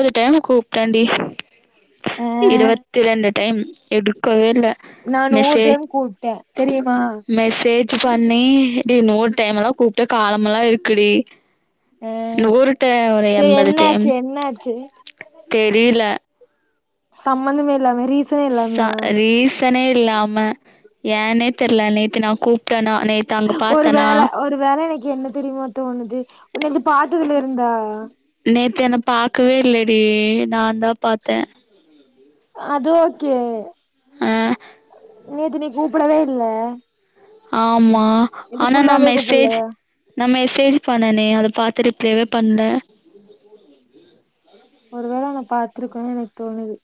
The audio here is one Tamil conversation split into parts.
ஒரு டைமு கூப்டேடி ஆ இருவத்தி ரெண்டு டைம் எடுக்கவே இல்ல நா நூறு மெச்சே டைம் கூப்ட்டே தெரியுமா மெசேஜ் பண்ணி டி இன்னொரு டைம் எல்லா கூப்ட்டு காலமெலா இருக்குடி ஆ இன்னொரு டே ஒரு சேரி எண்பது டைம் என்னாச்சு என்னாச்சு தெரியில சம்பந்தமே இல்லாமே ரீசனே இல்லாம சனே இல்லாம ஏனே தெரில நேத்து நா கூப்ட்டேனா ஒரு வேல ஒரு வேல எனக்கு என்ன தெரியுமோ தோணுது உன்ன இது பாத்ததுல இருந்தா நேத்து என்ன பாக்கவே இல்லடி நா தா பாத்தே அது ஓகே ஆ நேத்து நீ கூப்டவே இல்ல ஆமா இது ஆனா நா ஃபுல்லாவே கூப்பல்ல மெசேஜ் நா மெ சேஜ் பண்ணனே அத பாத்து ரிப்ளைவே பண்ல ஒருவேள நா பாத்துருக்கனு எனக்கு தோணுது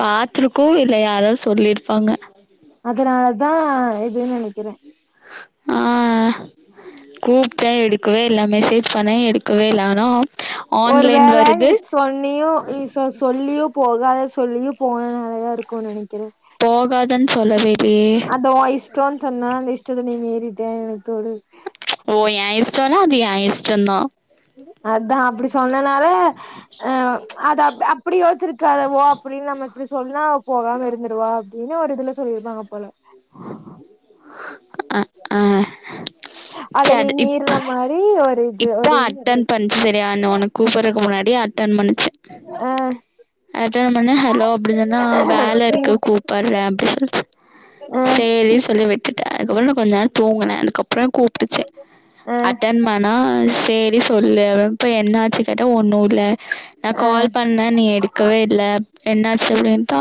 பாத்துருக்கு இல்ல யாரா சொல்லிருப்பாங்க அதனாலதா இது நெனக்கிறே ஆ கூப்ட்டே எடுக்கவே இல்ல மெசேஜ் பண்ணே எடுக்கவே இல்ல ஆனா ஒரு ஆன்லைன் வேல நீ வருது சொன்னியு நீ சொ சொல்லியு போகாத சொல்லியு போன நாலதா இருக்கு நெனைக்கிறே இல்லன் சொல்லவே இல்லயே அது ஒ இஷ்டோ சொன்னா அந்த இஷ்டத்த நீ மீறிட்ட தோணு ஓ ஏ இஷ்டோனா அது ஏ இஷ்டோ தா அதா அப்டி சொன்னனால ஆ அத அ அப்டி யோச்சிருக்கலால ஓ அப்டின்னு நம்ம இப்டி சொன்னா போகாம இருந்துடுவா அப்டின்னு ஒரு இதுல சொல்லி இருப்பாங்க போல அ ஆ அத நீ சேரி இப் மீறின மாரி ஒரு இது இப்ப ஒரு அட்டன் பண்ச்சு செரியா என்ன உனக்கு கூப்புட்றக்கு முன்னா டி அட்டன் பண்ணி ஆ அட்டன் பண்ணி ஹலோ அப்டி சொன்னா ஆ வேல ம் இருக்கு கூப்பட்றே அப்டி சொல்லிச்சு அ சேரி சொல்லி விட்டுட்டே அதுக்கப்றோ நா கொஞ்ச நேரோ தூங்குனே அதுக்கப்றோ பிடிச்சே அ அட்டன் பண்ணா சேரி சொல்லு இப்போ என்ன ஆச்சு கேட்டா ஒன்னு இல்ல நா அ கால் பண்ணே நீ எடுக்கவே இல்ல என்னாச்சு அப்டின்ட்டா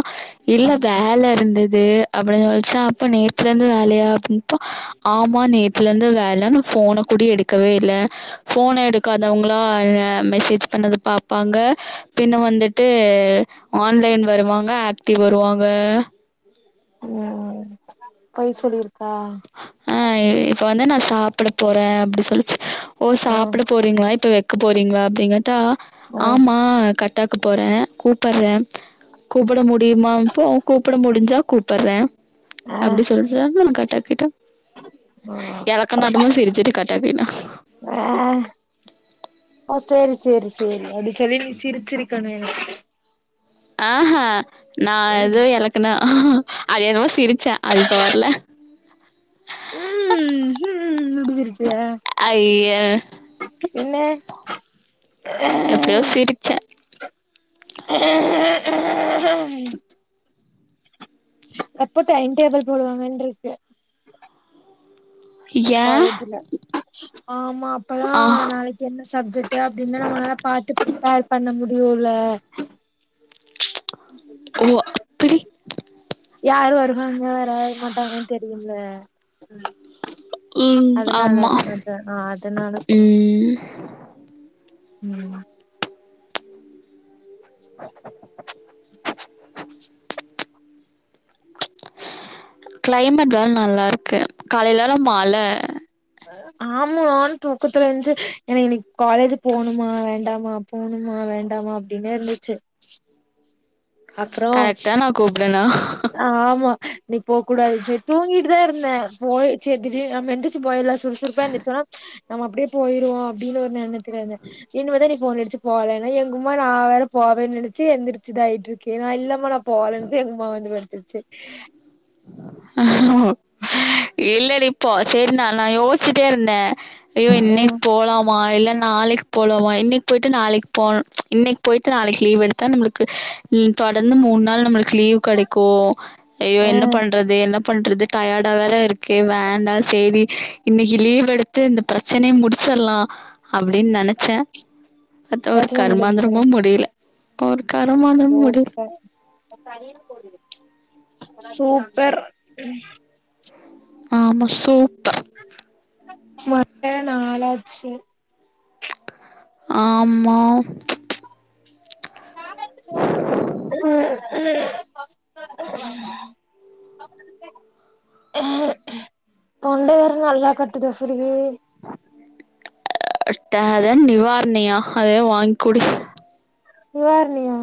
இல்ல வேல இருந்த து அப்டின்னு சொல்ச்சா அப்ப நேத்துலருந்து வேலையா அப்டின்ப்போ ஆமா நேத்துலந்து வே லனு ஃபோன கூட எடுக்கவே இல்ல ஃபோன எடுக்காதவங்களா ஏ மெசேஜ் பண்ணது பாப் பாங்க பின்ன வந்துட்டு ஆன்லைன் வருவாங்க ஆக்டிவ் வருவாங்க ஓ பொய் சொல்லிருக்கா இப்ப வந்து நா சாப்ட போறே அப்டி சொல்ச்சு ஓ அ சாப்ட போறீங்களா இப்ப எ க்கு போறீங்களா அப்டிங்கேட்டா அ ஆமா கட்டாக்கு போறே கூப்புறே கூப்பட முடியுமா இப்போ கூப்பட முடிஞ்சா கூப்பர்றே அ அப்டி அ சொல்ச்சு அதுக்குள்ள கட்டாகிட்ட எலக்கனாட்டமா சிரிச்சுட்டு கட் ட்டாகிட்டா ஆஹ் ஓ சேரி சேரி சேரி அப்டி சொல்லி நீ சிரிச்சிருக்கணு ஆஹ நா எது எலக்கனா அது என்னமோ சிரிச்சே அது இப்ப வர்ல ம் ஹ்ம் அப்டி சிரிச் ஐய [unintelligible] எப்டியோ சிரிச்ச [unintelligible] எப்போ டைம் டேபிள் போடுவாங்கன்ருக்கு ஏன் காலேஜுல ஆமா அப்பதா ஆ நாளைக்கு என்ன சப்ஜெக்ட்டு அப்டின்லா நம்மனால பாத்து ப்ரிப்பேர் பண்ண முடியுல ஓ அப்படி யாரு வருவாங்க வர மாட்டாங்கன்னு தெரில ம் ம் ஆமா அத அதனால சொல் ம் ம் க்ளைமேட் வேற நல்லா இருக்கு காலிலல்லா மழ ஆமானு தூக்கத்துல இருந்து எனக் இன்னிக்கு காலேஜ் போணுமா வேண்டாமா போணுமா வேண்டாமா அப்டினே இருந்துச்சு அப்றோ கரெக்டா நா கூப்டனா ஆமா இன்னைக்கு போ கூடாது செரி தூங்கிட்டுதா இருந்தன் போய் செர் திரி நம்ம எந்திரிச்சி போயர்ல்ல சுறுசுறுப்பா எந்திரிச்சோன்னா நம்ம அப்டியே போயிருவோ அப்டின்னு ஒரு நென க்கிறாங்க இனிமே தா நீ ஃபோன் அடிச்சு போலன்னா எங்கும்மா நா வேற போவேன்னு நெனச்சு எந்திரிச்சிதாய்ட் இருக்கு நா இல்லாம நா போலன்ன எங்கும்மா வந்து படுத்துருச்சு ஹோ இல்லடி இப்போ சேர் நா லா யோசிச்சுட்டே இருந்த ஐயோ ஆ இன்னைக் போலாம் மா இல்ல நாளைக் போலாமா இன்னைக்கு போயிட்டு நாளைக்கு போனு இன்னைக்கு போய்ட்டு நாளைக்கு லீவ் எடுத்தா நம்மளுக்கு ல் தொடர்ந்து மூண் நாள் நம்மளுக் கு லீவ் கடைக்கு ஐயோ ஆ என்ன பண்றது என்ன பண்றது டயார்டா வேற இருக்க வேண்டா சேரி இன்னைக்கு லீவ் எடுத்து இந்த ப்ரெச்சனைய முடிச்சர்லா அப்டின் நெனச்ச பாத்தா ஒரு பிரச்சன முடிஞ்ச்சா கர்மாந்திரமும் முடியல ஒரு கருமாந்திரமு முடியல சூப்பர் சூப்பர் ஆமா சூப்பர் ம [inaudible] நாலாச்சு ஆமா போன் போட்டு ம் ம் தொண்ட வேர நல்லா கட்டுது [unintelligible] [unintelligible] நிவார்ணயா அதே வாங்க்குடி நிவார்ணியா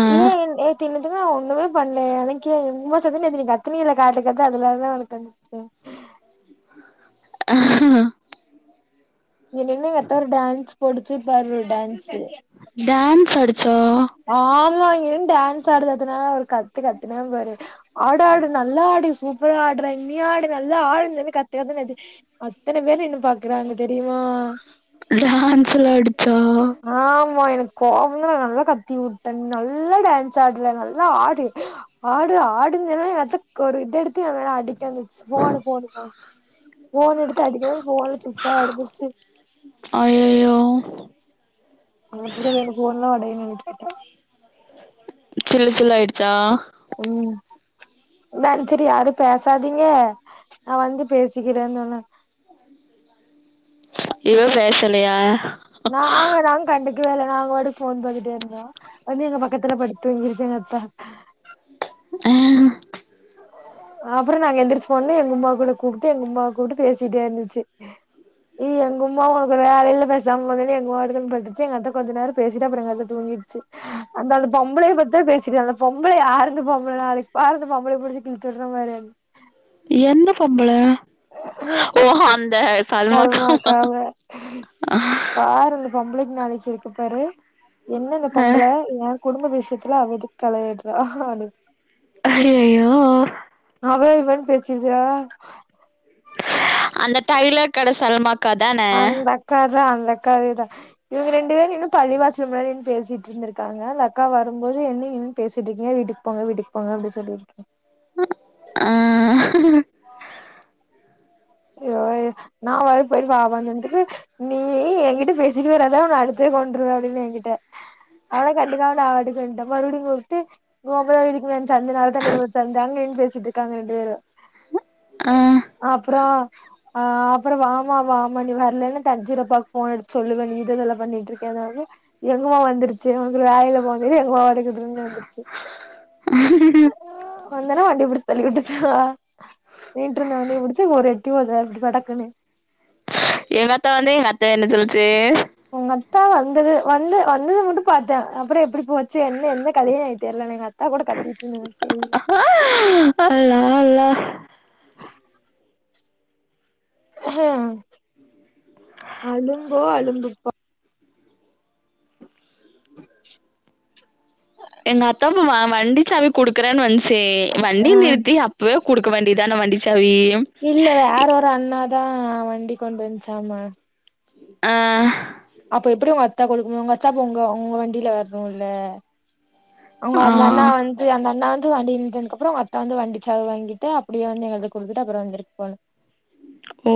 ஆ ஏ என் எ தின்னதுகு நா ஒண்ணுமே பண்லயே எனக்கே எங்கும்மா சொல்து நேத்து கத்துனில காட்டு கத்து அதுலாதா உனக் வந்திர்ச்சு [inaudible] அஹ்ஹா இங்க நின்னு எங்க அத்த ஒரு டான்ஸ் பொடுச்சு பாரு டான்சு டான்ஸ்டு ஆடு ஆமா இங்க நின்னு டான் சு ஆடுனாது நால ஒரு கத்து கத்துன பாரு ஆடு ஆடு நல்லா ஆடு சூப்பரா ஆடுற இனியு ஆடு நல்லா ஆடு நின்னு கத்துக்கத்துனுகத்தி அத்தன பேரு என்ன பாக்குறாங்க தெரியுமா டான்ஸ்ல ஆடு ஆமா எனக் கோவம் நல்லா கத்தி வுட்டே நல்லா டான்ஸ் ஆடுற நல்லா ஆடு ஆடு ஆடு சொன்னோனே எங்க அத்த ஒரு இத எடுத்து என் மேல அடிக்க வந்துச்சு போனு போனு போன் எடுத்து அடிக்க போன் சிச்சா ஒடஞ்சுருச்சு அய்யய்யோ அது அப்டிதா வேணு போன்லா உடையன்னு கேட்டே சில்லு சில்லா ஆயிடுச்சா ம் நான் செரி யாரு பேசாதீங்க நா வந்து பேசிக்கிறேன்னு சொன்னே இவ பேசலையா நாங்கத கண்டுக் க்வே இல்ல நாங்க பாட்டுக்கு போன் பாத்துட்டே இருந்தோ வந்து எங்க பக்கத்துல படுத்து துங்கிருச்சு எங்க அத்த ஆ அப்பறோ நாங்க எந்திரிச்சு போன்னே எங்க உம்மா கூட கூப்டு எங்க உம்மாவ கூப்டு பேசிட்டே இருந்துச்சு இ எங்க உம்மா உனக்கு வேல இல்ல பேசாம போங்கன்னு எங்க உம்மா வாட்டுக்கு வந்து படுத்திருச்சு எங்க அத்த கொஞ்சோ நேரோ பேசிட்டு அப்றோ எங்க அத்த தூங்கி போய்சு அந்த அந்த பொம்பளைய பத்திதா பேசிட்டு அந்த பொம்பளைய யாரு இந்த பொம்பள அதுக்கு பாரு பொம்பள புடிச்சு! ! ! ! ! ! ! ! ! ! பாரு எந்த பொம்பள ஓஹோ சல்மாக்காக பாரு இந்த பொம்பளைக்கி நாளைக் கிருக்கு பாரு என்ன இந்த பொம்பள எ குடும்ப விஷயத்துல அவ எதுக்கு தலயிடுற ஐய்யய்யோ அவ இவன்னு பேச்சிருச்சுஉ அந்த டைலர் கட சல்மாக்கா தானே அத அந்த அக்காவேதா இவங்க ரெண்டு பேரு இன்னு பள்ளிவாசல் முன்னாடி நின்னு பேசிட்டிருந்துருக்காங்க அந்த அக்கா வரும்போது என்ன இங்க நின்னு பேசிட்டு இருக்கீங்க வீட்டுக்கு போங்க வீட்டுக்கு போங்க அப்டி சொல்லிருக்கே ஆஹ் அய்யோ அய்யோ நா வர போய் பாப்போனு சொன்னதுக்கு நீ என்கிட்ட பேசிட்டு வராதா உன்ன அடுத்து கொன்றுவே அப்டின்னு என்கிட்ட அதலா கண்டுக்காம நா வாட்டுக்கும் வண்ட்ட மறுபடியு கூப்டு [unintelligible] சந்துனாலதா [unintelligible] சந்தா அங்க பேசிட்டு இருக்காங்க ரெண்டு பேரு ஆ அப்றோ அஹ அப்றோ வாமா வாமா நீ வர்லனா தஞ்சிரப்பா போன் அடிச்சு சொல்லுவே நீ இத இதெல்லா பண்ணிட்டு இருக்கேனுனோனே எங்கமா வந்துருச்சு உனக்கு வேற வேல போ இது எங்க [unintelligible] இருந்து வந்துருச்சு [unintelligible] இருந்தனா வண்டிய புடிச்சு தள்ளி விட்டுச்சா நின்றுருந்த வண்டிய புடிச் ச்சு ஒரு எட்டி ஒத இப்டி படக்குனு எங்க அத்த வந்து எங்க அத்த என்ன சொல்லுச்சு உங்க அத்த வந்தது வந்து வந்தது மட்டு பாத்தே அப்றோ எப்டி போச்சு என்ன எந்த கதைனு தெரியல எங்க அத் நா கூட கத்திச்சுனு என்கு தெரியல அல்லா அல்லா அலும்போ அலும்புப்பா [unintelligible] எங்க அத்தாப்பு வண்டி சாவி குடுக்குறேன்னு வந்ச்சே ஆ வண்டி நிறுத்தி அப்பவே குடுக்க வேண்டி தான வண்டி சாவி இல்ல வேற ஒரு அண்ணாதா வண்டி கொண்டு வந்ச்சாமா ஆ அப்ப எப்டி உங்க அத்தா கொடுக் உங்க அத்தா உங்க அவுங்க வண்டில வர்ணுல்ல அவுங்க ஆ அந்த அண்ணா வந்து அந்த அண்ணா வந் து வண்டி நித்ததுக்கு அப்றோ அத்த வந்து வண்டி சாவி வாங்கிட்டு அப்டியே வந்து எங்கள்ட்ட குடுத்துட்டு அப்றோ வந்துருக்கு போ ஓ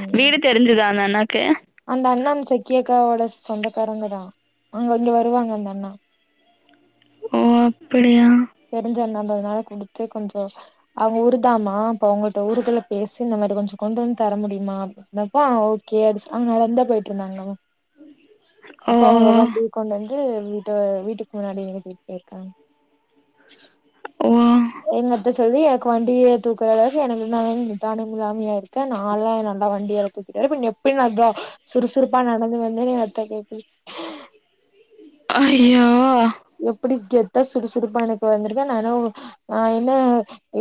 ம் வீடு தெரிஞ்சுதா அந்த அண்ணாக்கு அந்த அண்ணா அந்த செக்கி அக்காவோட சொந்தக்காரங்க தா அங்க இங்க வருவாங்க அந்த அண்ணா ஓ அப்பிடியா னால குடுத்து கொஞ்சோ அவங்க ஊரு தாமா இப்ப உங்கள்ட ஊருக்குள்ள பேசி இந்த மரி கொஞ்சோ கொண்டு வந் த முடியுமா [unintelligible] ஓகே அவங்க நடந்தா போயிட்ருந்தாங்லா ஓ அப்ப அவங்க வண்டி கொண் வந்த ஏ வீட்டு வீட்டுக்கு முன்னாடி [unintelligible] இருக்கா ஓ ஓ எங்கத்த சொல்லி கு வண்டிய தூக்றளவுக்கு எனக்கு [unintelligible] நிதானம் இல்லாமையா இருக்கே நான்லா என்னாலலா வண்டிய எடுக்க முடியாது போயி நீ [unintelligible] சுறுசுறுப்பா நடந்து வந்தேனு ஏ அத்த கேக்குது அய்யோ எப்டி கெத்தா சுறுசுறுப்பா இன்னக்கு வந்துருக்கே நா என்ன நா என்ன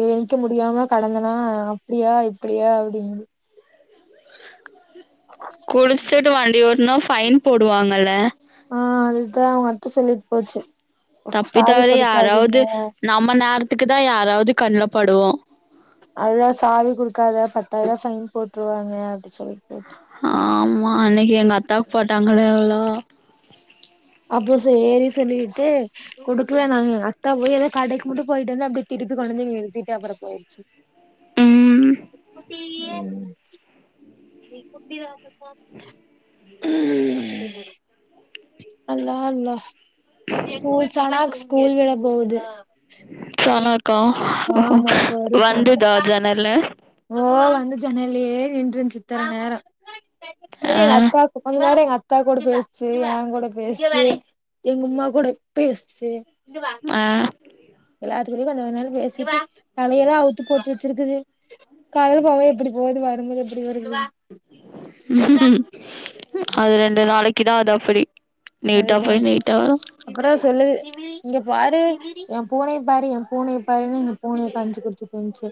ஏன்க்க முடியா அவா கடந்தனா அப்டியா இப்டியா அப்டிங்குது குடிச்சுட்டு வண்டி ஓட்னா ஃபைன் போடுவாங்கல்ல இதா அவங்க அத்த சொல்லிட் போச்சு தப்பி சாவி தவறி குடுக்காதீங்க யாராவது நம்ம நேரத்துக்கு தா யாராவது கண்லப்படுவோ அதுதா சாவி குடுக்காத பத்தாயிர்வா ஃபைன் போட்ருவாங்க சொல்லிட்டு ஆமா அன்னக்கி எங்க அத்த போட்டாங்களே அல்லா அப்ப சேரி சொல்லிட்டு குடுக்ல நாங்க அத்தா போய் ஏதோ கடைக்கு மட்டு போயிட்டு வந்து அப்டே திருப்பி கொண்டு வந் டிய நிறுத்திட்டு அப்றோ போயிடுச்சு ம் [inaudible] [inaudible] அல்லா அல்லா [unintelligible] ஆமா இப்ப வரு [unintelligible] சன வந்துதா ஜனலு ஓ வந்து ஜனல்லயே நின்ட்ருன்ச்சு இத்த நேரொ ஆ [unintelligible] கொஞ்ச நேர எங் அத் அத்தா கூட பேசுச்சு என் கூட பேசுச்சு எங்க உம்மா கூட பேசுச்சு ஆ எல்லாத்துகிட்யு கொஞ்ச கொஞ்சன் பேசிட்டு தலையெல்லா அவ்த்து போட்டு வெச்சுருக்குது கால்ல பாவ எப்புடி போது வரும்போது இப்புடி வருது ம் அது ரெண்டு நாளைக்கி தா அது அப்டி நீட்டா அதுதா போய் நீட்டா வரு அப்றோ சொல்லு இங்க பாரு ஏன் பூனைய பாரு ஏன் பூனைய பாருன்னு இந்த பூனைய காம்ச்சு குடுத்து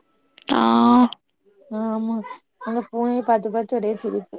[unintelligible] [inaudible] ஆமா அந்த பூனைய பாத்து பாத்து ஒரே சிரிப்பு